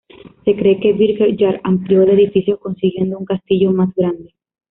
Se cree que Birger Jarl amplió el edificio, consiguiendo un castillo más grande.